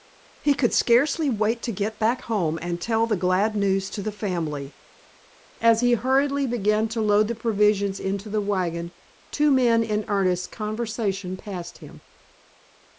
He could scarcely wait to get back home and tell the glad news to the family. As he hurriedly began to load the provisions into the wagon two men in earnest conversation passed him.